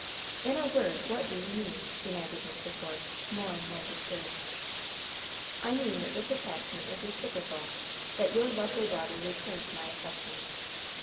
"In a word, what do you mean?" demanded Mr. Force, more and more disturbed. "I mean that this attachment is reciprocal; that your lovely daughter returns my affection.